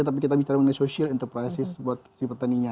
tapi kita bicara mengenai social enterprise buat petaninya